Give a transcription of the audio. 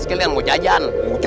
sekalian p ottawa